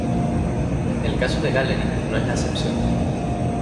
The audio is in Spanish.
El caso de Gallery no es la excepción.